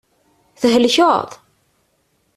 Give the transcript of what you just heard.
Thelkeḍ?